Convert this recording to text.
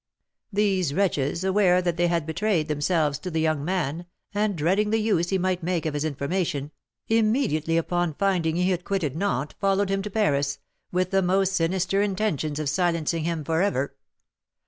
"These wretches, aware that they had betrayed themselves to the young man, and dreading the use he might make of his information, immediately upon finding he had quitted Nantes followed him to Paris, with the most sinister intentions of silencing him for ever.